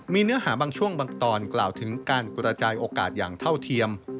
มีเนื้อหาบางช่วงบางตอนกล่าวถึงการกระจายโอกาสอย่างเท่าเทียม